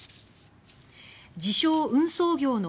自称・運送業の